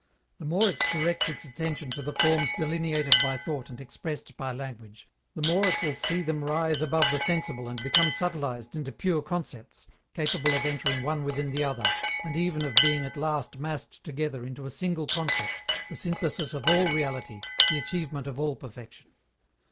The more it directs its attention to the forms delineated by thought and expressed by language, the more it will see them rise above the sensible and become subtilized into pure concepts, capable of entering one within the other, and even of being at last massed together into a single concept, the synthesis of all reality, the achievement of all perfection.